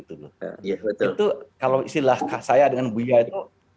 tentu kalau istilah saya dengan buya itu